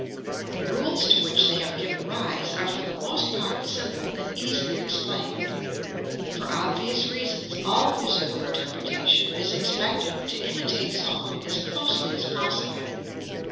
The rules to which they have given rise are for the most part simple and easily explained. For obvious reasons, all musical interpretation is expected to imitate song as closely as possible.